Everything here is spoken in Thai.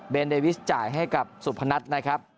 เดวิสจ่ายให้กับสุพนัทนะครับ